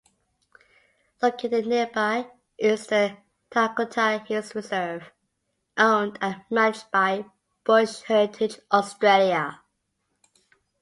Located nearby is the Tarcutta Hills Reserve, owned and managed by Bush Heritage Australia.